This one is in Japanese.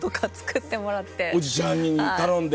おじちゃんに頼んで。